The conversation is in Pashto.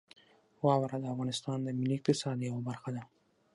واوره د افغانستان د ملي اقتصاد یوه برخه ده.